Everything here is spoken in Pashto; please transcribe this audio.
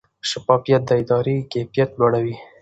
شفافیت د ادارې کیفیت لوړوي.